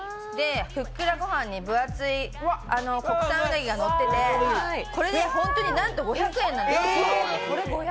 ふっくらご飯に分厚い国産うなぎがのっていてこれで本当に、なんと５００円なんです。